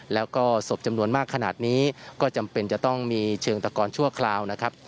แล้วก็ศพจำนวนมากขนาดนี้ก็จำเป็นจะต้องมีเชิงตะกอนชั่วคราวนะครับ